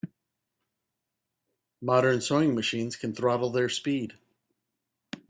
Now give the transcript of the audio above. Modern sewing machines can throttle their speed.